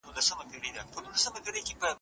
ميرويس خان نيکه خپله توره د څه لپاره پورته کړه؟